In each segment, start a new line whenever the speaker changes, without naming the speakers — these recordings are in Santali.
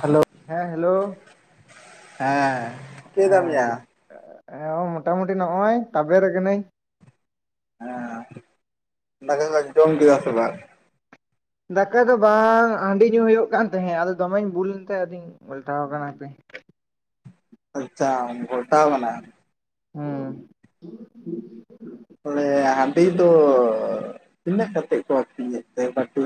ᱦᱟᱞᱳ᱾
ᱦᱮᱸ ᱦᱮᱞᱳ
ᱦᱮᱸ ᱪᱤᱠᱟᱹᱭ ᱫᱟᱢ
ᱦᱮᱸ ᱡᱚ
ᱭᱟ
ᱦᱮ ᱢᱚᱴᱟᱢᱩᱴᱤ ᱱᱚᱜᱼᱚᱭ ᱛᱟᱵᱮᱨ ᱠᱟᱱᱟᱹᱧ᱾
ᱦᱮᱸ ᱫᱟᱠᱟ ᱠᱚ ᱡᱚᱢ ᱠᱮᱫᱟ ᱥᱮ ᱵᱟᱝ?
ᱫᱟᱠᱟ ᱫᱚ ᱵᱟᱝ ᱦᱟᱺᱰᱤ ᱧᱩ ᱦᱩᱭᱩᱜ ᱠᱟᱱ ᱛᱟᱦᱮᱸ ᱟᱫᱚ ᱫᱚᱢᱮᱧ ᱵᱩᱞ ᱮᱱ ᱛᱮ ᱟᱫᱚᱧ ᱜᱷᱚᱞᱴᱟᱣ ᱠᱟᱱᱟ ᱦᱟᱯᱮ᱾
ᱟᱪᱪᱷᱟᱢ ᱜᱷᱚᱞᱴᱟᱣ ᱠᱟᱱᱟ᱾
ᱦᱩᱸ᱾
ᱮ ᱦᱟᱺᱰᱤ ᱫᱚ ᱛᱤᱱᱟᱹᱜ ᱠᱟᱛᱮᱜ ᱠᱚ ᱟᱹᱠᱷᱨᱤᱧ ᱮᱫ ᱛᱮ ᱵᱟᱹᱴᱤ᱾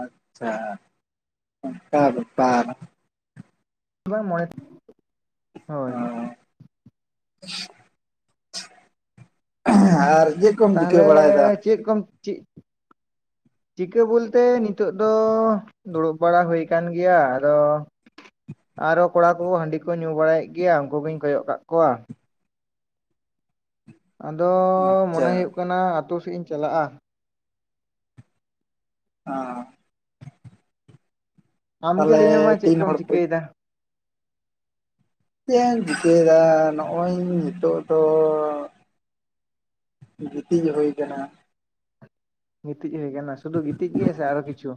ᱟᱪᱪᱷᱟ ᱚᱱᱠᱟ ᱵᱮᱯᱟᱨ᱾
ᱵᱟᱝ [unintelligible] ᱦᱳᱭ
ᱚᱸᱻ᱾ ᱟᱨ ᱤᱡᱟᱹ
ᱛᱟᱦᱞᱮ ᱪᱮᱫ ᱠᱚᱢ ᱪᱤᱜ ᱪᱤᱠᱟᱹ ᱵᱚᱞᱛᱮ ᱱᱤᱛᱚᱜ ᱫᱚ ᱫᱩᱲᱩᱵ ᱵᱟᱲᱟ ᱦᱩᱭ ᱟᱠᱟᱱ ᱜᱮᱭᱟ ᱟᱨᱚ ᱟᱨᱚ ᱠᱚᱲᱟ ᱠᱚ ᱦᱟᱺᱰᱤ ᱠᱚ ᱧᱩ ᱵᱟᱲᱟᱭᱮᱫ ᱜᱮᱭᱟ ᱩᱱᱠᱩ ᱜᱤᱧ ᱠᱚᱭᱚᱜ ᱠᱟᱜ ᱠᱚᱣᱟ᱾ ᱟᱫᱚ
ᱟᱪᱪᱷᱟ
ᱢᱚᱱᱮ ᱦᱩᱭᱩᱜ ᱠᱟᱱᱟ ᱟᱛᱳ ᱥᱮᱜ ᱤᱧ ᱪᱟᱞᱟᱜᱼᱟ᱾
ᱦᱮᱸ
ᱟᱢᱜᱮ
ᱛᱟᱦᱚᱞᱮ
ᱞᱟᱹᱭ ᱢᱮ ᱢᱟ ᱪᱮᱫ
ᱛᱤᱱ
ᱠᱚᱢ
ᱦᱚᱲ ᱠᱚ
ᱪᱤᱠᱟᱹᱭᱮᱫᱟ
ᱪᱮᱫ ᱤᱧ ᱪᱤᱠᱟᱹᱭ ᱫᱟ ᱱᱚᱜᱼᱚᱭ ᱱᱤᱛᱚᱜ ᱫᱚ ᱜᱤᱛᱤᱡ ᱦᱩᱭ ᱠᱟᱱᱟ᱾
ᱜᱤᱛᱤᱡ ᱦᱩᱭ ᱟᱠᱟᱱᱟ ᱥᱩᱫᱷᱩ ᱜᱤᱛᱤᱡ ᱜᱮ ᱥᱮ ᱟᱨᱚ ᱠᱤᱪᱷᱩ?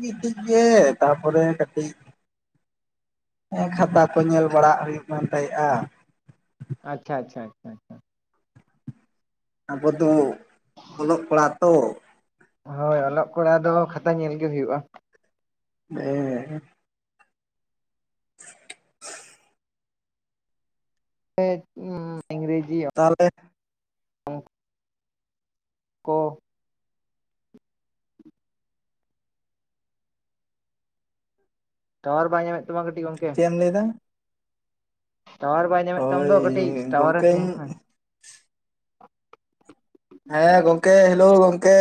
ᱜᱤᱛᱤᱡ ᱜᱮ ᱛᱟᱯᱚᱨᱮ ᱠᱟᱹᱴᱤᱡ ᱦᱮᱸ ᱠᱷᱟᱛᱟ ᱠᱚ ᱧᱮᱞ ᱵᱟᱲᱟ ᱦᱩᱭᱩᱜ ᱠᱟᱱ ᱛᱟᱦᱮᱸᱫᱼᱟ
ᱟᱪᱪᱷᱟ ᱟᱪᱷᱟ ᱟᱪᱪᱷᱟ ᱟᱪᱪᱷᱟ᱾
ᱟᱵᱚ ᱫᱚ ᱚᱞᱚᱜ ᱠᱚᱲᱟ ᱛᱚ᱾
ᱦᱳᱭ ᱚᱞᱚᱜ ᱠᱚᱲᱟ ᱫᱚ ᱠᱷᱟᱛᱟ ᱧᱮᱞ ᱜᱮ ᱦᱩᱭᱩᱜᱼᱟ᱾
ᱦᱮᱸ᱾
[unintelligible] ᱩᱢ ᱤᱝᱨᱮᱡᱤ
ᱛᱟᱦᱚᱞᱮ
ᱠᱚ ᱴᱟᱣᱟᱨ ᱵᱟᱭ ᱧᱟᱢᱮᱫ ᱛᱟᱢᱟ ᱠᱟᱹᱴᱤᱡ ᱜᱚᱝᱠᱮ
ᱪᱮ ᱮᱢ ᱞᱟᱹᱭ ᱫᱟ
ᱴᱟᱣᱟᱨ ᱵᱟᱭ ᱧᱟᱢᱮ ᱛᱟᱢ
ᱦᱳᱭ
ᱫᱚ ᱠᱟᱹᱴᱤᱡ ᱴᱟᱣᱟᱨᱮ
ᱜᱚᱝᱠᱮᱧ
ᱛᱟᱦᱮᱱᱟ ᱢᱮ
ᱦᱮᱸ ᱜᱚᱝᱠᱮ ᱦᱮᱞᱳ ᱜᱚᱝᱠᱮ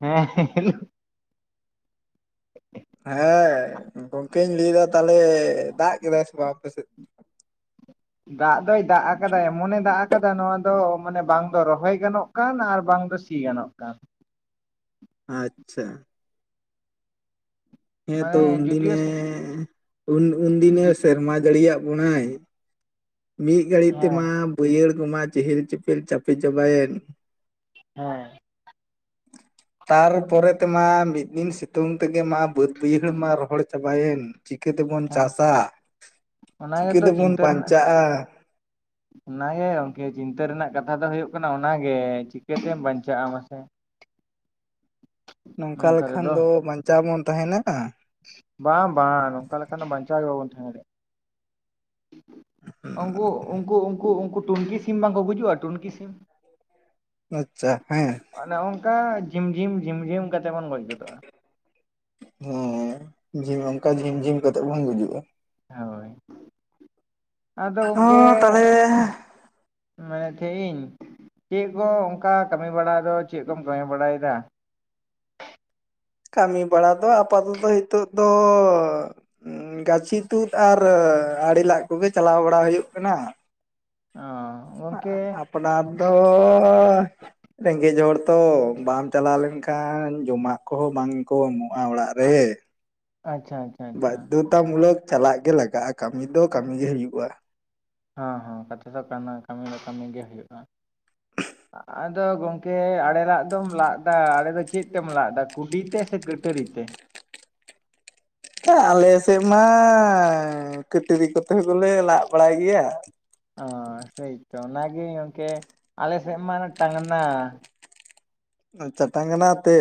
ᱦᱮᱸ ᱦᱮ ᱦᱮ ᱦᱮᱞᱳ
ᱦᱮᱸ ᱜᱚᱝᱠᱮ ᱤᱧ ᱞᱟᱹᱭ ᱫᱟ ᱛᱟᱦᱚᱞᱮ ᱫᱟᱜ ᱠᱮᱫᱟᱭ ᱥᱮ ᱵᱟᱝ ᱟᱯᱮ ᱥᱮᱫ
ᱫᱟᱜ ᱫᱚᱭ ᱫᱟᱜ ᱟᱠᱟᱫᱟ ᱮᱢᱚᱱᱮ ᱫᱟᱜ ᱟᱠᱟᱫᱟ ᱱᱚᱣᱟ ᱫᱚ ᱢᱟᱱᱮ ᱵᱟᱝ ᱵᱟᱝ ᱫᱚ ᱨᱚᱦᱚᱭ ᱜᱟᱱᱚᱜ ᱠᱟᱱ ᱟᱨ ᱵᱟᱝ ᱫᱚ ᱥᱤ ᱜᱟᱱᱚᱜ ᱠᱟᱱ
ᱟᱪᱪᱷᱟ ᱦᱮᱸᱛᱚ
ᱢᱟᱱᱮ
ᱩᱱ ᱫᱤᱱ
ᱡᱩᱫᱤᱭᱳ
ᱮ ᱩᱱ ᱩᱱᱫᱤᱱ ᱮ ᱥᱮᱨᱢᱟ ᱡᱟᱲᱤᱭᱟᱜ ᱵᱚᱱᱟᱭ ᱢᱤᱫ ᱜᱷᱟᱹᱲᱤᱡ
ᱦᱮᱸ
ᱛᱮᱢᱟ ᱵᱟᱹᱭᱦᱟᱹᱲ ᱠᱚᱢᱟ ᱪᱮᱦᱮᱞ ᱪᱮᱯᱮᱞ ᱪᱟᱯᱮ ᱪᱟᱵᱟᱭᱮᱱ
ᱦᱮᱸ
ᱛᱟᱨᱯᱚᱨᱮ ᱛᱮᱢᱟ ᱢᱤᱫ ᱫᱤᱱ ᱥᱤᱛᱩᱝ ᱛᱮᱜᱮ ᱢᱟ ᱵᱟᱹᱫ ᱵᱟᱹᱭᱦᱟᱹᱲ ᱢᱟ ᱨᱚᱦᱚᱲ ᱪᱟᱵᱟᱭᱮᱱ ᱪᱤᱠᱟᱹ ᱛᱮᱵᱚᱱ
ᱦᱮᱸ
ᱪᱟᱥᱟ
ᱚᱱᱟ
ᱪᱤᱠᱟᱹ
ᱜᱮᱛᱚ
ᱛᱮᱵᱚᱱ
ᱪᱤᱱᱛᱟᱹ ᱨᱮᱱᱟᱜ
ᱵᱟᱧᱪᱟᱜᱼᱟ
ᱚᱱᱟᱜᱮ ᱜᱚᱝᱠᱮ ᱪᱤᱱᱛᱟᱹ ᱨᱮᱱᱟᱜ ᱠᱟᱛᱷᱟ ᱫᱚ ᱦᱩᱭᱩᱜ ᱠᱟᱱᱟ ᱚᱱᱟᱜᱮ ᱪᱤᱠᱟᱹᱛᱮᱢ ᱵᱟᱧᱪᱟᱜᱼᱟ ᱢᱟᱥᱮ
ᱱᱚᱝᱠᱟ ᱞᱮᱠᱷᱟᱱ ᱫᱚ ᱵᱟᱧᱪᱟᱣ ᱵᱚᱱ ᱛᱟᱦᱮᱱᱟ
ᱵᱟᱝ ᱵᱟᱝ ᱱᱚᱝᱠᱟ ᱞᱮᱠᱟ ᱠᱷᱟᱱ ᱵᱟᱧᱪᱟᱣ ᱜᱮ ᱵᱟᱵᱚᱱ ᱛᱟᱦᱮᱸᱱᱟ ᱩᱱᱠᱩ ᱩᱱᱠᱩ ᱩᱱᱠᱩ ᱴᱩᱞᱜᱤ ᱥᱮ ᱥᱤᱢ ᱵᱟᱝ ᱠᱚ ᱜᱩᱡᱩᱜᱼᱟ ᱴᱩᱞᱜᱤ ᱥᱤᱢ
ᱟᱪᱪᱷᱟ ᱦᱮᱸ
ᱚᱱᱮ ᱚᱱᱠᱟ ᱡᱷᱤᱢ ᱡᱷᱤᱢ ᱡᱷᱤᱢ ᱠᱟᱛᱮ ᱵᱚᱱ ᱜᱚᱡ ᱜᱚᱫᱚᱜᱼᱟ
ᱦᱮᱸ ᱚᱱᱠᱟ ᱡᱷᱤᱢ ᱡᱷᱤᱢ ᱠᱟᱛᱮ ᱵᱟᱱ ᱜᱩᱡᱩᱜᱼᱟ
ᱦᱳᱭ ᱟᱫᱚ ᱜᱚᱝᱠᱮ
ᱦᱚᱸ ᱛᱟᱦᱚᱞᱮ
ᱢᱟᱱ ᱮ ᱛᱷᱮᱤᱧ ᱪᱮ ᱠᱚ ᱚᱱᱠᱟ ᱠᱟᱹᱢᱤ ᱵᱟᱲᱟ ᱫᱚ ᱪᱮ ᱠᱚᱢ ᱠᱟᱹᱢᱤ ᱵᱟᱲᱟᱭᱮᱫᱟ
ᱠᱟᱹᱢᱤ ᱵᱟᱲᱟ ᱫᱚ ᱟᱯᱟᱛᱚ ᱛᱚ ᱱᱤᱛᱚᱜ ᱫᱚ ᱜᱟᱹᱪᱷᱤ ᱛᱩᱫ ᱟᱨ ᱟᱲᱮ ᱞᱟᱜ ᱠᱚᱜᱮ ᱪᱟᱞᱟᱣ ᱵᱟᱲᱟ ᱦᱩᱭᱩᱜ ᱠᱟᱱᱟ
ᱚ ᱜᱚᱝᱠᱮ
ᱟᱯᱱᱟᱨ ᱫᱚ ᱨᱮᱸᱜᱮᱡ ᱦᱚᱲ ᱛᱚ ᱵᱟᱢ ᱪᱟᱞᱟᱣ ᱞᱮᱱᱠᱷᱟᱱ ᱡᱚᱢᱟᱜ ᱠᱚᱦᱚᱸ ᱵᱟᱝ ᱠᱚ ᱮᱢᱚᱜᱼᱟ ᱚᱲᱟᱜ ᱨᱮ ᱨᱮᱦᱮ
ᱟᱪᱪᱷᱟ ᱟᱪᱪᱷᱟ ᱟᱪᱪᱷᱟ
ᱵᱟᱫᱽᱫᱷᱚᱛᱟ ᱢᱩᱞᱚᱠ ᱪᱟᱞᱟᱜ ᱜᱮ ᱞᱟᱜᱟᱜᱼᱟ ᱠᱟᱹᱢᱤ ᱫᱚ ᱠᱟᱹᱢᱤ ᱜᱮ ᱦᱩᱭᱩᱜᱼᱟ
ᱦᱚᱸ ᱦᱚᱸ ᱠᱟᱛᱷᱟ ᱫᱚ ᱠᱟᱱᱟ ᱠᱟᱹᱢᱤ ᱫᱚ ᱠᱟᱹᱢᱤ ᱜᱮ ᱦᱩᱭᱩᱜᱼᱟ ᱟᱫᱚ ᱜᱚᱝᱠᱮ ᱟᱲᱮ ᱞᱟᱜ ᱫᱚᱢ ᱞᱟᱜ ᱫᱟ ᱟᱲᱮ ᱫᱚ ᱪᱮᱫ ᱛᱮᱢ ᱞᱟᱜ ᱫᱟ ᱠᱩᱰᱤ ᱛᱮ ᱥᱮ ᱠᱟᱹᱴᱟᱹᱨᱤ ᱛᱮ
ᱟᱞᱮ ᱥᱮᱫ ᱢᱟ ᱠᱟᱹᱴᱨᱤ ᱠᱚᱛᱮ ᱦᱚᱸ ᱠᱚᱞᱮ ᱞᱟᱜ ᱵᱟᱲᱟᱭ ᱜᱮᱭᱟ
ᱚ ᱥᱮᱭᱛᱚ ᱚᱱᱟ ᱜᱤ ᱜᱚᱝᱠᱮ ᱟᱞᱮ ᱥᱮᱢᱟᱱ ᱴᱟᱝᱱᱟ
ᱟᱪᱷᱟ ᱴᱟᱝᱱᱟ ᱛᱮ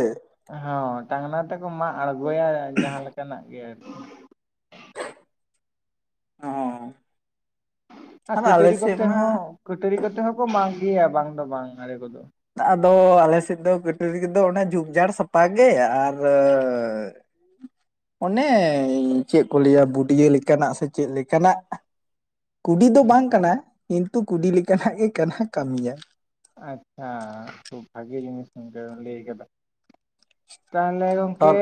ᱦᱚᱸ ᱴᱟᱝᱱᱟ ᱛᱮᱠᱚ ᱢᱟᱜ ᱟᱬᱜᱚᱭᱟ ᱡᱟᱦᱟᱸ ᱞᱮᱠᱟᱱᱟᱜ ᱜᱮ ᱟᱨᱠᱤ
ᱦᱚᱸ
ᱦᱚᱸ
ᱟᱨ ᱟᱞᱮ
ᱠᱟᱹᱴᱟᱹᱨᱤ
ᱥᱮᱫ
ᱠᱚᱛᱮ
ᱢᱟ
ᱦᱚᱸ ᱠᱟᱹᱴᱟᱹᱨᱤ ᱠᱚᱛᱮ ᱦᱚᱸᱠᱚ ᱢᱟᱜ ᱜᱮᱭᱟ ᱵᱟᱝ ᱫᱚ ᱵᱟᱝ ᱟᱲᱮ ᱠᱚᱫᱚ᱾
ᱟᱫᱚ ᱟᱞᱮ ᱥᱮᱫ ᱫᱚ ᱠᱟᱹᱴᱟᱹᱨᱤ ᱠᱚᱫᱚ ᱚᱱᱟ ᱡᱷᱩᱯ ᱡᱷᱟᱲ ᱥᱟᱯᱷᱟ ᱜᱮ, ᱟᱨ [inaudible] ᱚᱱᱮ ᱪᱮᱫ ᱠᱚ ᱞᱟᱹᱭᱟ ᱵᱩᱴᱭᱟᱹ ᱞᱮᱠᱟᱱᱟᱜ ᱥᱮ ᱪᱮᱫ ᱞᱮᱠᱟᱱᱟᱜ ᱠᱩᱰᱤ ᱫᱚ ᱵᱟᱝ ᱠᱟᱱᱟ ᱠᱤᱱᱛᱩ ᱠᱩᱰᱤ ᱞᱮᱠᱟᱱᱟᱜ ᱜᱮ ᱠᱟᱱᱟ ᱠᱟᱹᱢᱤᱭᱟ
ᱟᱪᱪᱷᱟ ᱠᱷᱩᱵ ᱵᱷᱟᱜᱮ ᱡᱤᱱᱤᱥ ᱞᱟᱹᱭ ᱠᱮᱫᱟ ᱛᱟᱦᱞᱮ ᱜᱚᱝ
ᱟᱨ
ᱠᱮ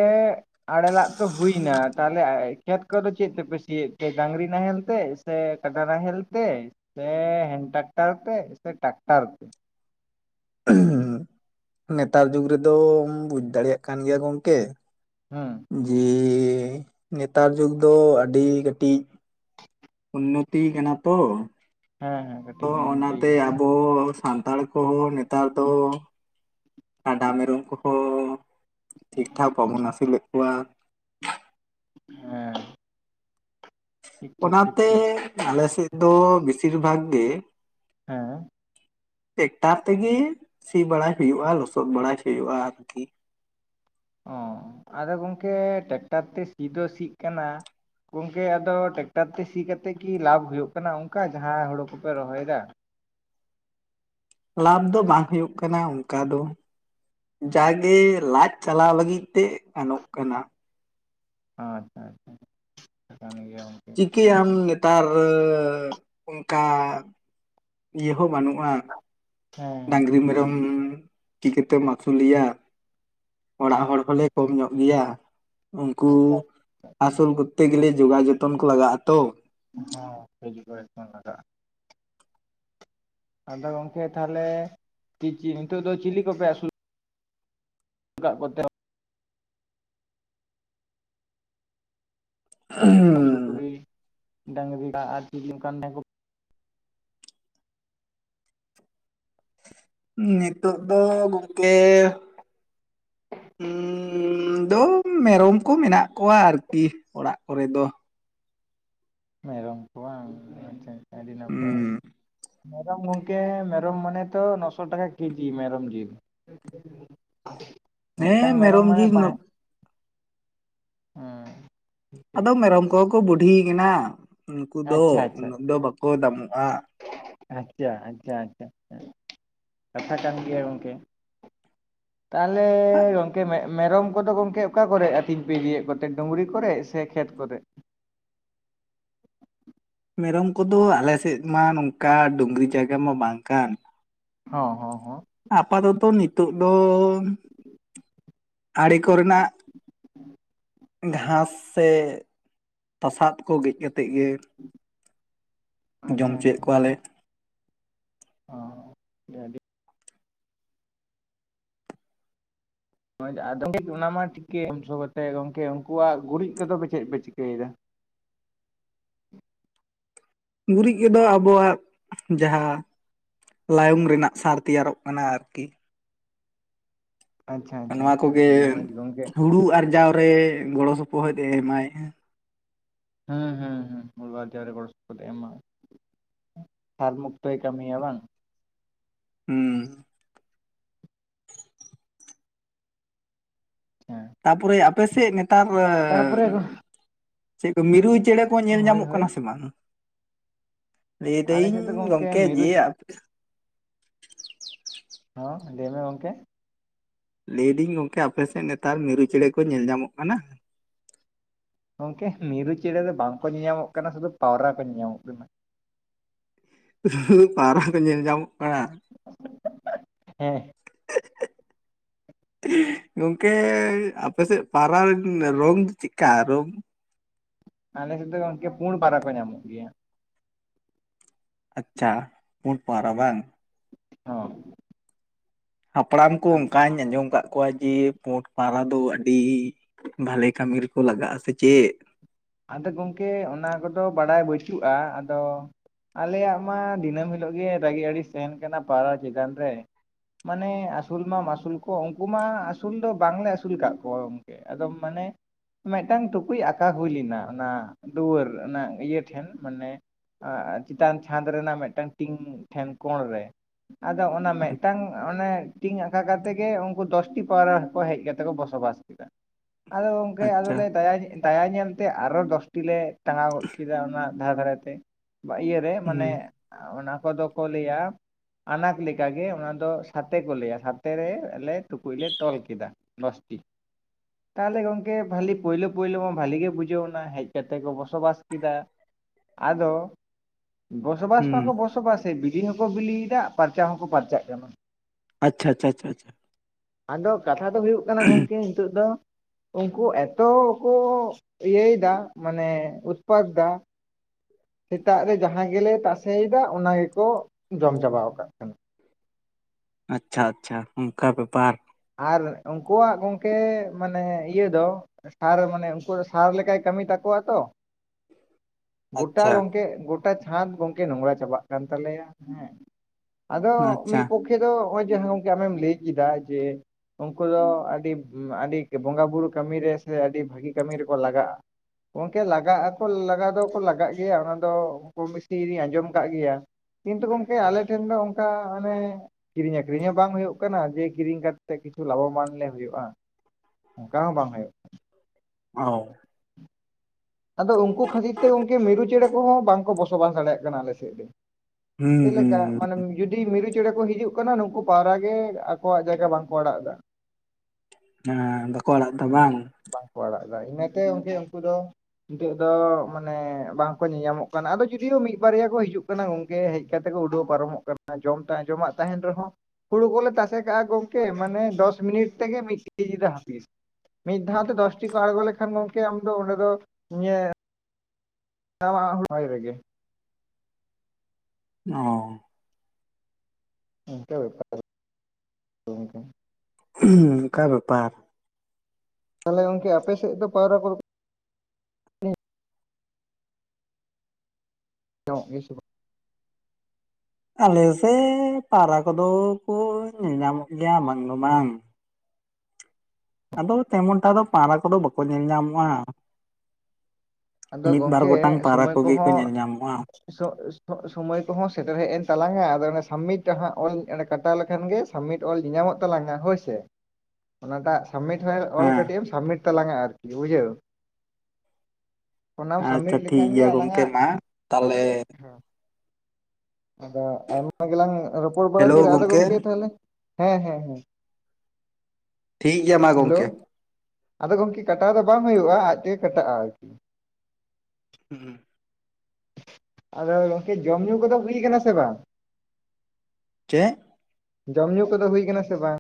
ᱟᱲᱮ ᱞᱟᱜ ᱫᱚ ᱦᱩᱭᱱᱟ ᱛᱟᱦᱚᱞᱮ ᱠᱷᱮᱛ ᱠᱚᱫᱚ ᱪᱮᱫ ᱛᱮᱯᱮ ᱥᱤᱭᱮᱫ ᱜᱮ ᱰᱟᱺᱝᱨᱤ ᱱᱟᱦᱮᱞ ᱛᱮ ᱥᱮ ᱠᱟᱰᱟ ᱱᱟᱦᱮᱞ ᱛᱮ ᱥᱮ ᱦᱮᱱ ᱴᱟᱠᱴᱟᱨ ᱛᱮ ᱥᱮ ᱴᱟᱠᱴᱟᱨ ᱛᱮ
ᱱᱮᱛᱟᱨ ᱡᱩᱜᱽ ᱨᱮᱫᱚᱢ ᱵᱩᱡᱷ ᱫᱟᱲᱮᱭᱟᱜ ᱠᱟᱱ ᱜᱮᱭᱟ ᱜᱚᱝᱠᱮ
ᱦᱮᱸ
ᱡᱮᱻ ᱱᱮᱛᱟᱨ ᱡᱩᱜᱽ ᱫᱚ ᱟᱹᱰᱤ ᱠᱟᱹᱴᱤᱡ, ᱱᱩᱛᱤ ᱠᱟᱱᱟ ᱛᱚ,
ᱦᱮᱸ ᱦᱮᱸ ᱠᱟᱹᱴᱤᱡ
ᱦᱚᱸ
ᱩᱱᱱᱚᱛᱤ
ᱚᱱᱟᱛᱮ
ᱦᱮᱸ
ᱟᱵᱚ ᱥᱟᱱᱛᱟᱲ ᱠᱚᱦᱚᱸ ᱱᱮᱛᱟᱨ ᱫᱚ ᱠᱟᱰᱟ ᱢᱮᱨᱚᱢ ᱠᱚᱦᱚᱸ ᱴᱷᱤᱠ ᱴᱷᱟᱠ ᱵᱟᱵᱚᱱ ᱟᱹᱥᱩᱞᱮᱜ ᱠᱚᱣᱟ᱾
ᱦᱮᱸ
ᱚᱱᱟᱛᱮ
ᱴᱷᱤᱠ
ᱟᱞᱮ ᱥᱮᱫ ᱫᱚ ᱵᱮᱥᱤᱨ ᱵᱷᱟᱜᱽ ᱜᱮ,
ᱦᱮᱸ
ᱴᱮᱠᱴᱟᱨ ᱛᱮᱜᱤ ᱥᱤ ᱵᱟᱲᱟᱭ ᱦᱩᱭᱩᱜᱼᱟ, ᱞᱚᱥᱚᱫ ᱵᱟᱲᱟᱭ ᱦᱩᱭᱩᱜᱼᱟ ᱟᱨᱠᱤ᱾
ᱚ ᱟᱫᱚ ᱜᱚᱢᱴᱝᱠᱮ ᱴᱮᱠᱴᱟᱨ ᱛᱮ ᱥᱤ ᱫᱚ ᱥᱤᱜ ᱠᱟᱱᱟ, ᱜᱚᱝᱠᱮ ᱟᱫᱚ ᱴᱮᱠᱴᱟᱨ ᱛᱮ ᱥᱤ ᱠᱟᱛᱮᱫ ᱠᱤ ᱞᱟᱵᱷ ᱦᱩᱭᱩᱜ ᱠᱟᱱᱟ ᱚᱱᱠᱟ ᱡᱟᱦᱟᱸᱭ ᱦᱳᱲᱳ ᱠᱚᱯᱮ ᱨᱚᱦᱚᱭ ᱫᱟ?
ᱞᱟᱵᱷ ᱫᱚ ᱵᱟᱝ ᱦᱳᱭᱳᱜ ᱠᱟᱱᱟ ᱚᱱᱠᱟ ᱫᱚ ᱡᱟᱜᱮ ᱞᱟᱡ ᱪᱟᱞᱟᱣ ᱞᱟᱹᱜᱤᱫ ᱛᱮ ᱜᱟᱱᱚᱜ ᱠᱟᱱᱟ᱾
ᱟᱪᱪᱷᱟ ᱟᱪᱪᱷᱟ [unintelligible]
ᱪᱤᱠᱟᱹᱭᱟᱢ ᱱᱮᱛᱟᱨ ᱚᱝᱠᱟ ᱤᱭᱟᱹ ᱦᱚᱸ ᱵᱟᱹᱱᱩᱜᱼᱟ᱾
ᱦᱮᱸ
ᱰᱟᱝᱨᱤ ᱢᱮᱨᱚᱢ ᱪᱤᱛᱮᱢ ᱟᱹᱥᱩᱞᱮᱭᱟ ᱚᱲᱟᱜ ᱦᱚᱲ
ᱦᱮᱸ
ᱦᱚᱸᱞᱮ ᱠᱚᱢ ᱧᱚᱜ ᱜᱮᱭᱟ, ᱩᱱᱠᱩ ᱟᱥᱩᱞ ᱠᱚᱨᱛᱮ ᱜᱮᱞᱮ ᱡᱚᱜᱟᱣ ᱡᱚᱛᱚᱱ ᱠᱚ ᱞᱟᱜᱟ ᱟᱛᱚ᱾
ᱦᱮᱸ [unintelligible] ᱞᱟᱜᱟᱜ-ᱟ᱾ ᱟᱫᱚ ᱜᱚᱝᱠᱮ ᱛᱟᱦᱚᱞᱮ ᱪᱤᱪᱤ ᱱᱤᱛᱚᱜ ᱫᱚ ᱪᱤᱞᱤ ᱠᱚᱯᱮ ᱟᱹᱥᱩᱞ ᱠᱟᱜ ᱠᱚᱛᱮ ᱫᱚ?
[unintelligible]
ᱥᱩᱠᱨᱤ ᱰᱟᱝᱨᱤ ᱟᱨ [unintelligible]
ᱱᱤᱛᱳᱜ ᱫᱚ ᱜᱚᱝᱠᱮ ᱩᱸᱻ ᱫᱚ ᱢᱮᱨᱚᱢ ᱠᱚ ᱢᱮᱱᱟᱜ ᱠᱚᱣᱟ ᱟᱨᱠᱤ ᱚᱲᱟᱜ ᱠᱚᱨᱮ ᱫᱚ᱾
ᱢᱮᱨᱚᱢ ᱠᱚ ᱵᱟᱝ ᱟᱪᱪᱷᱟ ᱟᱪᱪᱷᱟ ᱟᱹᱰᱤ ᱱᱟᱯᱟᱭ᱾
ᱦᱩᱸ
ᱢᱮᱨᱚᱢ ᱜᱚᱢᱠᱮ ᱢᱮᱨᱚᱢ ᱢᱟᱱᱮ ᱛᱚ ᱱᱚᱥᱚ ᱴᱟᱠᱟ ᱠᱮᱡᱤ ᱢᱮᱨᱚᱢ ᱡᱤᱞ?
ᱦᱮᱸ
ᱢᱤᱫᱴᱟᱝ ᱢᱮᱨᱚᱢ ᱢᱟᱱᱮ
ᱡᱤᱞ
ᱯᱟᱸᱪ ᱴᱷᱤᱠ
ᱟᱫᱚ ᱢᱮᱨᱚᱢ ᱠᱚᱦᱚᱸ ᱠᱚ ᱵᱩᱰᱷᱤ ᱠᱟᱱᱟ, ᱩᱱᱠᱩ ᱫᱚ
ᱟᱪᱪᱷᱟ ᱟᱪᱪᱷᱟ
ᱩᱱᱟᱹᱜ ᱫᱚ ᱵᱟᱠᱚ ᱫᱟᱢᱚᱜᱼᱟ᱾
ᱟᱪᱪᱷᱟ ᱟᱪᱪᱷᱟ ᱟᱪᱪᱷᱟ, ᱠᱟᱛᱷᱟ ᱠᱟᱱ ᱜᱮᱭᱟ ᱜᱚᱝᱠᱮ᱾ ᱛᱟᱦᱞᱮ ᱜᱚᱝᱠᱮ ᱢᱮ ᱢᱮᱨᱚᱢ ᱠᱚᱫᱚ ᱜᱚᱢᱠᱮ ᱚᱠᱟ ᱠᱚᱨᱮᱜ ᱟᱹᱛᱤᱧ ᱯᱮ ᱤᱫᱤᱭᱮᱫ ᱠᱚᱛᱮ ᱰᱩᱝᱨᱤ ᱠᱚᱨᱮᱜ ᱥᱮ ᱠᱷᱮᱛ ᱠᱚᱨᱮᱜ?
ᱢᱮᱨᱚᱢ ᱠᱚᱫᱚ ᱟᱞᱮᱥᱮᱫ ᱢᱟ ᱱᱚᱝᱠᱟ ᱰᱩᱝᱨᱤ ᱡᱟᱭᱜᱟ ᱢᱟ ᱵᱟᱝ ᱠᱟᱱ᱾
ᱦᱚᱸ ᱦᱚᱸ ᱦᱚᱸ
ᱟᱯᱟᱛᱚᱛᱚ ᱱᱤᱛᱚᱜ ᱫᱚ ᱟᱲᱮ ᱠᱚᱨᱮᱱᱟᱜ ᱜᱷᱟᱥ ᱥᱮ ᱛᱟᱥᱟᱫ ᱠᱚ ᱜᱮᱫ ᱠᱟᱛᱮᱜ ᱜᱮ,
[inaudible]
ᱡᱚᱢ
ᱟᱪᱪᱷᱟ
ᱚᱪᱚᱭᱮᱫ ᱠᱚᱣᱟᱞᱮ
ᱚ [inaudible] ᱟᱫᱚ [inaudible] ᱚᱱᱟ ᱢᱟ ᱴᱷᱤᱠ ᱜᱮ [inaudible] ᱜᱚᱝᱠᱮ ᱩᱱᱠᱩᱣᱟᱜ ᱜᱩᱨᱤᱡ ᱠᱚᱫᱚ ᱯᱮ ᱪᱮᱫ ᱯᱮ ᱪᱤᱠᱟᱹᱭ ᱫᱟ
ᱜᱩᱨᱤᱡ ᱠᱚᱫᱚ ᱟᱵᱚᱣᱟᱜ ᱡᱟᱦᱟᱸ, ᱞᱟᱭᱚᱝ ᱨᱮᱱᱟᱜ ᱥᱟᱨ ᱛᱮᱭᱟᱨᱚᱜ ᱠᱟᱱᱟ ᱟᱨᱠᱤ᱾
ᱟᱪᱪᱷᱟ ᱟᱪᱪᱷᱟ
ᱱᱚᱣᱟ
ᱟᱪᱪᱷᱟ
ᱠᱚᱜᱮ
ᱟᱹᱰᱤ ᱢᱚᱸᱡᱽ ᱜᱚᱝᱠᱮ
ᱦᱩᱲᱩ ᱟᱨᱡᱟᱣᱨᱮ ᱜᱚᱲᱚ ᱥᱚᱯᱚᱦᱚᱫ ᱮ ᱮᱢᱟᱭ᱾
ᱦᱩᱸ ᱦᱩᱸ ᱦᱩᱸ ᱦᱩᱲᱩ ᱟᱨᱡᱟᱣ ᱨᱮ ᱜᱚᱲᱚ ᱥᱚᱯᱚᱫ ᱮᱢᱟᱭ᱾ ᱥᱟᱨ ᱢᱩᱠᱛᱚᱭ ᱠᱟᱹᱢᱤᱭᱟ ᱵᱟᱝ?
ᱦᱩᱸ
ᱟᱪᱪᱷᱟ
ᱛᱟᱯᱚᱨᱮ ᱟᱯᱮᱥᱮᱫ ᱱᱮᱛᱟᱨ, ᱪᱮᱫ ᱠᱚ ᱢᱤᱨᱩ ᱪᱮᱬᱮ ᱠᱚ ᱠᱚ ᱧᱮᱞ
ᱦᱳᱭ
ᱧᱟᱢᱚᱜ
ᱦᱳᱭ
ᱠᱟᱱᱟ ᱥᱮ ᱵᱟᱝ ᱞᱟᱹᱭ
ᱟᱞᱮ
ᱫᱟᱹᱧ
ᱥᱮᱫ ᱫᱚ
ᱜᱚᱝᱠᱮ ᱡᱮ
ᱢᱤᱨᱩ ᱦᱮᱸ ᱞᱟᱹᱭ ᱢᱮ ᱜᱚᱢᱠᱮ
ᱞᱟᱹᱭᱫᱟᱹᱧ ᱜᱚᱝᱠᱮ ᱟᱯᱮᱥᱮᱫ ᱱᱮᱛᱟᱨ ᱢᱤᱨᱩ ᱪᱮᱸᱬᱮ ᱠᱚ ᱧᱮᱞ ᱧᱟᱢᱚᱜ ᱠᱟᱱᱟ ᱾
ᱜᱚᱢᱠᱮ ᱢᱤᱨᱩ ᱪᱮᱸᱬᱮ ᱫᱚ ᱵᱟᱝᱠᱚ ᱧᱮᱞ ᱧᱟᱢᱚᱜ ᱠᱟᱱᱟ ᱥᱩᱫᱩ ᱯᱟᱣᱨᱟ ᱠᱚ ᱧᱮᱞ ᱧᱟᱢᱚᱜ ᱠᱟᱱᱟ ᱾
ᱯᱟᱣᱨᱟ ᱠᱚ ᱧᱮᱞ ᱧᱟᱢᱚᱜ ᱠᱟᱱᱟ ᱾
ᱦᱮᱸ
[inaudible] ᱜᱚᱝᱠᱮ ᱟᱯᱮᱥᱮᱫ ᱯᱟᱣᱨᱟ ᱨᱮᱱ ᱨᱚᱝ ᱫᱚ ᱪᱮᱫᱠᱟ ᱨᱚᱝ
ᱟᱞᱮ ᱥᱮᱫ ᱫᱚ ᱜᱚᱝᱠᱮ ᱯᱳᱲ ᱯᱟᱨᱟ ᱠᱚ ᱧᱟᱢᱚᱜ ᱜᱮᱭᱟ
ᱟᱪᱪᱷᱟ ᱯᱳᱰ ᱯᱟᱣᱨᱟ ᱵᱟᱝ
ᱦᱚᱸ
ᱦᱟᱯᱲᱟᱢ ᱠᱚ ᱚᱱᱠᱟᱧ ᱟᱸᱡᱚᱢ ᱟᱠᱟᱫ ᱠᱚᱣᱟ ᱾ ᱠᱚᱣᱟᱜ ᱡᱮ ᱯᱳᱸᱰ ᱯᱟᱣᱨᱟ ᱫᱚ ᱟᱹᱰᱤ ᱵᱷᱟᱞᱮ ᱠᱟᱹᱢᱤ ᱨᱮᱠᱚ ᱞᱟᱜᱟᱜᱼᱟ ᱥᱮ ᱪᱮᱫ?
ᱟᱫᱚ ᱜᱚᱢᱠᱮ ᱚᱱᱟ ᱠᱚᱫᱚ ᱵᱟᱲᱟᱭ ᱵᱟᱹᱪᱩᱜᱼᱟ ᱟᱫᱚ ᱟᱞᱮᱭᱟᱜ ᱢᱟ ᱫᱤᱱᱟᱹᱢ ᱦᱤᱞᱳᱜ ᱜᱮ ᱨᱟᱹᱜᱤ ᱟᱲᱤᱥ ᱛᱟᱦᱮᱱ ᱠᱟᱱᱟ ᱯᱟᱣᱨᱟ ᱪᱮᱛᱟᱱ ᱨᱮ ᱢᱟᱱᱮ ᱟᱹᱥᱩᱞ ᱢᱟ ᱟᱹᱥᱩᱞ ᱠᱚ ᱩᱱᱠᱩ ᱢᱟ ᱟᱹᱥᱩᱞ ᱫᱚ ᱵᱟᱝᱞᱮ ᱟᱹᱥᱩᱞ ᱟᱠᱟᱫ ᱠᱚᱣᱟ ᱟᱫᱚ ᱢᱟᱱᱮ ᱢᱤᱫᱴᱟᱝ ᱴᱩᱠᱩᱡ ᱟᱸᱠᱟ ᱦᱩᱭ ᱞᱮᱱᱟ ᱾ ᱚᱱᱟ ᱫᱩᱣᱟᱹᱨ ᱚᱱᱟ ᱤᱭᱟᱹ ᱴᱷᱮᱱ ᱢᱟᱱᱮ ᱪᱮᱛᱟᱱ ᱪᱷᱟᱸᱫᱽ ᱨᱮᱱᱟᱜ ᱢᱤᱫᱴᱟᱝ ᱴᱤᱝ ᱴᱷᱮᱱ ᱠᱚᱸᱬ ᱨᱮ ᱟᱫᱚ ᱚᱱᱟ ᱢᱤᱫᱴᱟᱝ ᱚᱱᱮ ᱴᱤᱝ ᱟᱠᱚ ᱠᱟᱛᱮ ᱜᱮ ᱩᱱᱠᱩ ᱫᱚᱥᱴᱤ ᱯᱟᱣᱨᱟ ᱠᱚ ᱦᱮᱡᱽ ᱠᱟᱛᱮ ᱠᱚ ᱵᱚᱥᱚᱵᱟᱥ ᱾
[inaudible]
ᱟᱫᱚ ᱜᱚᱝᱠᱮ
ᱟᱪᱪᱷᱟ
ᱟᱫᱚᱞᱮ ᱫᱟᱭᱟ ᱫᱟᱭᱟ ᱧᱮᱞᱛᱮ ᱟᱨᱚ ᱫᱚᱥᱴᱤ ᱞᱮ ᱴᱟᱸᱜᱟᱣ ᱜᱚᱫ ᱠᱮᱫᱟ ᱚᱱᱟ ᱫᱷᱟᱨᱮ ᱫᱷᱟᱨᱮᱛᱮ ᱵᱟ ᱤᱭᱟᱹᱨᱮ ᱢᱟᱱᱮ
ᱦᱩᱸ
ᱚᱱᱟ ᱠᱚᱫᱚ ᱠᱚ ᱞᱟᱹᱭᱟ ᱟᱱᱟᱠ ᱞᱮᱠᱟ ᱜᱮ ᱚᱱᱟ ᱫᱚ ᱥᱟᱛᱮ ᱠᱚ ᱞᱟᱹᱭᱟ ᱥᱟᱛᱮᱨᱮ ᱟᱞᱮ ᱴᱩᱠᱩᱡ ᱞᱮ ᱛᱚᱞ ᱠᱮᱫᱟ ᱾ ᱫᱚᱥᱴᱤ ᱛᱟᱦᱞᱮ ᱜᱚᱝᱠᱮ ᱵᱷᱟᱞᱤ ᱯᱳᱭᱞᱳ ᱯᱳᱭᱞᱳ ᱢᱟ ᱵᱷᱟᱞᱤ ᱜᱮ ᱵᱩᱡᱽ ᱵᱩᱡᱟᱹᱣ ᱮᱱᱟ ᱦᱮᱡ ᱠᱟᱛᱮ ᱠᱚ ᱵᱚᱥᱚᱵᱟᱥ ᱠᱮᱫᱟ ᱟᱫᱚ ᱵᱚᱥᱚᱵᱟᱥ
ᱦᱩᱸ
ᱢᱟᱠᱚ ᱵᱚᱥᱚᱵᱟᱥᱮᱫ ᱵᱤᱞᱤ ᱦᱚᱸᱠᱚ ᱵᱤᱞᱤ ᱭᱮᱫᱟ ᱯᱟᱨᱪᱟ ᱦᱚᱸᱠᱚ ᱯᱟᱨᱪᱟᱜ ᱠᱟᱱᱟ
ᱟᱪᱷᱟ ᱟᱪᱷᱟ ᱪᱷᱟ ᱪᱷᱟ
ᱟᱫᱚ ᱠᱟᱛᱷᱟ ᱫᱚ ᱦᱩᱭᱩᱜ ᱠᱟᱱᱟ ᱜᱚᱢᱠᱮ ᱱᱤᱛᱚᱜ ᱫᱚ ᱩᱱᱠᱩ ᱮᱛᱚ ᱠᱚ ᱤᱭᱟᱹ ᱫᱟ ᱢᱟᱱᱮ ᱩᱛᱯᱟᱫᱽ ᱫᱟ ᱥᱮᱛᱟᱜ ᱨᱮ ᱡᱟᱦᱟᱸ ᱜᱮᱞᱮ ᱛᱟᱥᱮᱭᱮᱫᱟ ᱚᱱᱟ ᱜᱮᱠᱚ ᱡᱚᱢ ᱪᱟᱵᱟᱜᱳᱰ ᱠᱟᱫ ᱠᱟᱱᱟ ᱾
ᱟᱪᱪᱷᱟ ᱟᱪᱪᱷᱟ ᱚᱱᱠᱟ ᱵᱮᱯᱟᱨ
ᱟᱨ ᱩᱱᱠᱩᱣᱟᱜ ᱜᱚᱝᱠᱮ ᱢᱟᱱᱮ ᱤᱭᱟᱹ ᱫᱚ ᱥᱟᱨ ᱢᱟᱱᱮ ᱩᱱᱠᱩ ᱥᱟᱨ ᱞᱮᱠᱟᱭ ᱠᱟᱹᱢᱤ ᱛᱟᱠᱚᱣᱟ ᱛᱚ ᱜᱚᱴᱟ
ᱟᱪᱪᱷᱟ
ᱜᱚᱢᱠᱮ ᱜᱚᱴ ᱜᱚᱴᱟ ᱪᱷᱟᱸᱫᱽ ᱜᱚᱝᱠᱮ ᱱᱚᱝᱨᱟ ᱪᱟᱵᱟᱜ ᱠᱟᱱ ᱛᱟᱞᱮᱭᱟ ᱦᱮᱸ ᱟᱫᱚ
ᱟᱪᱪᱷᱟ
ᱢᱤᱫ ᱯᱚᱠᱮ ᱟᱯᱮ ᱫᱚ ᱱᱚᱜᱼᱚᱸᱭ ᱚᱭ ᱡᱟᱸᱦᱟ ᱜᱟᱢᱠᱮ ᱟᱢᱮᱢ ᱞᱟᱹᱭ ᱠᱮᱫᱟ ᱡᱮ ᱩᱱᱠᱩ ᱫᱚ ᱟᱹᱰᱤ ᱟᱹᱰᱤ ᱵᱚᱸᱜᱟ ᱵᱩᱨᱩ ᱠᱟᱹᱢᱤᱨᱮ ᱥᱮ ᱟᱹᱰᱤ ᱵᱷᱟᱹᱜᱤ ᱠᱟᱹᱢᱤ ᱨᱮᱠᱚ ᱞᱟᱜᱟᱜᱼᱟ ᱾ ᱜᱚᱝᱠᱮ ᱞᱟᱜᱟᱜ ᱟᱠᱚ ᱞᱟᱜᱟᱣ ᱫᱚᱠᱚ ᱞᱟᱜᱟᱜ ᱜᱮᱭᱟ ᱚᱱᱟ ᱫᱚ ᱠᱚᱢ ᱵᱤᱥᱤᱧ ᱟᱸᱡᱚᱢ ᱠᱟᱫ ᱜᱮᱭᱟ, ᱠᱤᱱᱛᱩ ᱜᱚᱝᱠᱮ ᱟᱞᱮ ᱴᱷᱮᱱ ᱫᱚ ᱚᱱᱠᱟ ᱢᱟᱱᱮ ᱠᱤᱨᱤᱧ ᱟᱠᱷᱨᱤᱧ ᱦᱚᱸ ᱵᱟᱝ ᱦᱩᱭᱩᱜ ᱠᱟᱱᱟ ᱡᱮ ᱠᱤᱨᱤᱧ ᱠᱟᱛᱮ ᱠᱤᱪᱷᱩ ᱞᱟᱵᱷᱚᱢᱟᱱ ᱞᱮ ᱦᱩᱭᱩᱜᱼᱟ ᱚᱱᱠᱟ ᱦᱚᱸ ᱵᱟᱝ ᱦᱩᱭᱩᱜ ᱠᱟᱱᱟ ᱾
ᱚ [inaudible]
ᱟᱫᱚ ᱩᱱᱠᱩ ᱠᱷᱟᱹᱛᱤᱨ ᱛᱮ ᱜᱚᱢᱠᱮ ᱢᱤᱨᱩ ᱪᱮᱸᱬᱮ ᱠᱚᱦᱚᱸ ᱵᱟᱝᱠᱚ ᱵᱚᱥᱚᱵᱟᱥ ᱫᱟᱲᱮᱭᱟᱜ ᱠᱟᱱᱟ ᱟᱞᱮ ᱥᱮᱫ ᱨᱮ
ᱦᱩᱸ
ᱪᱮᱫ
ᱦᱩᱸ
ᱞᱮᱠᱟ
ᱦᱩᱸ,
ᱢᱟᱱᱮ ᱡᱩᱫᱤ ᱢᱤᱨᱩ ᱪᱮᱬᱮ ᱠᱚ ᱦᱤᱡᱩᱜ ᱠᱟᱱᱟ ᱱᱩᱠᱩ ᱯᱟᱣᱨᱟ ᱜᱮ ᱟᱠᱚᱣᱟᱜ ᱡᱟᱭᱜᱟ ᱵᱟᱝᱠᱚ ᱟᱲᱟᱜ ᱫᱟ ᱾
ᱦᱮᱸ ᱵᱟᱠᱚ ᱟᱲᱟᱜ ᱫᱟ ᱵᱟᱝ
ᱵᱟᱝᱠᱚ ᱟᱲᱟᱜ ᱫᱟ ᱤᱱᱟᱹᱛᱮ ᱜᱚᱢᱠᱮ ᱩᱱᱠᱩ ᱫᱚ ᱱᱤᱛᱳᱜ ᱫᱚ ᱢᱟᱱᱮ ᱵᱟᱝᱠᱚ ᱧᱮᱧᱟᱢᱚᱜ ᱠᱟᱱᱟ ᱟᱫᱚ ᱡᱩᱫᱤᱭᱳ ᱢᱤᱫ ᱵᱟᱨᱭᱟ ᱠᱚ ᱦᱤᱡᱩᱜ ᱠᱟᱱᱟ᱾ ᱜᱮ ᱦᱮᱡᱽ ᱠᱟᱛᱮ ᱠᱚ ᱩᱰᱟᱹᱣ ᱯᱟᱨᱚᱢᱚᱜ ᱠᱟᱱᱟ ᱡᱚᱢ ᱡᱚᱢᱟᱜ ᱛᱟᱦᱮᱱ ᱨᱮᱦᱚᱸ ᱦᱩᱲᱩ ᱠᱚᱞᱮ ᱛᱟᱥᱮ ᱠᱟᱜᱼᱟ ᱜᱚᱢᱠᱮ ᱢᱟᱱᱮ ᱫᱚᱥ ᱢᱤᱱᱤᱴ ᱛᱮᱜᱮ ᱢᱤᱫ ᱠᱮᱡᱤ ᱫᱚ ᱦᱟᱹᱯᱤᱥ ᱢᱤᱫ ᱫᱷᱟᱣᱛᱮ ᱫᱚᱥᱴᱤ ᱠᱚ ᱟᱬᱜᱚ ᱞᱮᱠᱷᱟᱱ ᱜᱚᱝᱠᱮ ᱟᱢᱫᱚ ᱚᱸᱰᱮ ᱫᱚ ᱤᱭᱟᱹ [unintelligible]
ᱚ
[unintelligible] ᱫᱤᱱ ᱠᱚ
ᱚᱱᱠᱟ ᱵᱮᱯᱟᱨ
ᱛᱟᱦᱚᱞᱮ ᱜᱚᱝᱠᱮ ᱟᱯᱮ ᱥᱮᱫ ᱫᱚ ᱯᱟᱣᱨᱟ ᱠᱚ ᱧᱟᱢᱚᱜ ᱜᱮᱭᱟ ᱥᱮ ᱵᱟᱝ
ᱟᱞᱮ ᱥᱮ ᱯᱟᱣᱨᱟ ᱠᱚᱫᱚ ᱠᱚ ᱧᱮᱢ ᱧᱟᱢᱚᱜ ᱜᱮᱭᱟ ᱵᱟᱝ ᱫᱚ ᱵᱟᱝ ᱟᱫᱚ ᱛᱮᱢᱚᱱ ᱴᱟ ᱫᱚ ᱯᱟᱣᱨᱟ ᱠᱚᱫᱚ ᱵᱟᱠᱚ ᱧᱮᱞ ᱧᱟᱢᱚᱜᱼᱟ
ᱟᱫᱚ
ᱢᱤᱫ ᱵᱟᱨ
ᱜᱚᱝᱠᱮ
ᱜᱚᱴᱟᱝ ᱯᱟᱣᱨᱟ ᱠᱚᱜᱮ ᱠᱚ ᱧᱮᱞ ᱧᱟᱢᱚᱜᱼᱟ
ᱥᱚᱜ ᱥᱚ ᱥᱚᱢᱚᱭ ᱠᱚᱦᱚ ᱥᱮᱴᱮᱨ ᱦᱮᱡ ᱮᱱ ᱛᱟᱞᱟᱝᱟ ᱟᱫᱚ ᱚᱱᱮ ᱥᱟᱢᱢᱤᱴ ᱫᱚ ᱦᱟᱸᱜ ᱚᱞ ᱠᱟᱴᱟᱣ ᱞᱮᱠᱷᱟᱱ ᱜᱮ ᱥᱟᱵᱢᱤᱴ ᱚᱞ ᱧᱮᱧ ᱧᱟᱢᱚᱜ ᱛᱟᱞᱟᱝᱼᱟ ᱦᱳᱭ ᱥᱮ
[inaudible]
ᱚᱱᱟᱴᱟᱜ ᱥᱟᱵᱢᱤᱴ ᱦᱚᱸ ᱚᱞ
ᱦᱮᱸ
ᱠᱟᱹᱴᱤᱡ ᱮᱢ ᱥᱟᱵᱢᱤᱴ ᱛᱟᱞᱟᱝᱟ ᱟᱨᱠᱤ ᱵᱩᱡᱷᱟᱹᱣ᱾ ᱚᱱᱟᱢ
ᱟᱪᱪᱷᱟ
ᱥᱟᱵᱢᱤᱴ
ᱴᱷᱤᱠ
ᱞᱮᱠᱷᱟᱱ ᱜᱮ
ᱜᱮᱭᱟ ᱜᱚᱝᱠᱮ
ᱟᱞᱟᱝᱟᱜ
ᱢᱟ ᱛᱟᱦᱚᱞᱮ
ᱟᱫᱚ ᱟᱭᱢᱟ ᱜᱮᱞᱟᱝ ᱨᱚᱯᱚᱲ ᱵᱟᱲᱟ
ᱦᱮᱞᱳ
ᱠᱮᱫᱟ ᱟᱫᱚ
ᱜᱚᱝᱠᱮ
ᱜᱚᱢᱠᱮ ᱛᱟᱦᱚᱞᱮ ᱦᱮᱸ ᱦᱮᱸ ᱦᱮᱸ
ᱴᱷᱤᱠ ᱜᱮᱭᱟ ᱢᱟ
ᱦᱮᱞᱳ᱾
ᱜᱚᱝᱠᱮ
ᱟᱫᱚ ᱜᱚᱢᱠᱮ ᱠᱟᱴᱟᱣ ᱫᱚ ᱵᱟᱝ ᱦᱩᱭᱩᱜᱼᱟ᱾ ᱟᱡ ᱛᱮᱜᱮ ᱠᱟᱴᱟᱜᱼᱟ ᱟᱨᱠᱤ
[inaudible]
ᱟᱫᱚ ᱜᱚᱝᱠᱮ ᱡᱚᱢ ᱧᱩ ᱠᱚᱫᱚ ᱦᱩᱭᱩ ᱠᱟᱱᱟ ᱥᱮ ᱵᱟᱝ?
ᱪᱮᱫ
ᱡᱚᱢ ᱧᱩ ᱠᱚᱫᱚ ᱦᱩᱭ ᱠᱟᱱᱟ ᱥᱮ ᱵᱟᱝ?